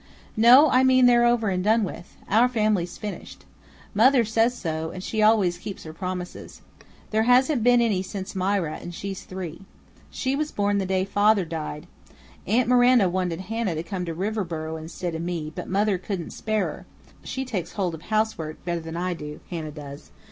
"No, I mean they're all over and done with; our family 's finished. Mother says so, and she always keeps her promises. There hasn't been any since Mira, and she's three. She was born the day father died. Aunt Miranda wanted Hannah to come to Riverboro instead of me, but mother couldn't spare her; she takes hold of housework better than I do, Hannah does.